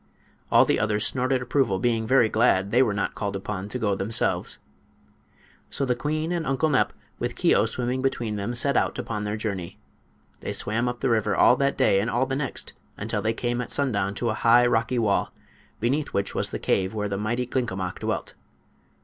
All the others snorted approval, being very glad they were not called upon to go themselves. So the queen and Uncle Nep, with Keo swimming between them, set out upon their journey. They swam up the river all that day and all the next, until they came at sundown to a high, rocky wall, beneath which was the cave where the mighty Glinkomok dwelt.